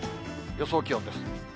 予想気温です。